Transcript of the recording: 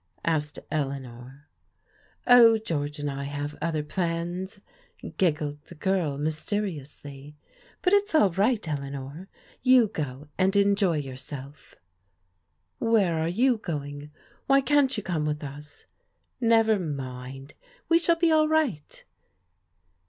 *' asked Eleanor. Oh, George and I have other plans," giggled the girl mysteriously. "But it's all right, Eleanor; you go and enjoy yourself." "Where are you going? Why can't jrou come with us?" " Never mind ; we shall be all right."